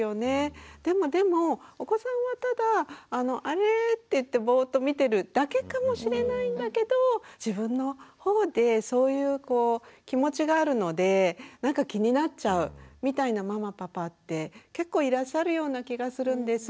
でもでもお子さんはただ「あれ？」っていってぼっと見てるだけかもしれないんだけど自分のほうでそういう気持ちがあるのでなんか気になっちゃうみたいなママパパって結構いらっしゃるような気がするんです。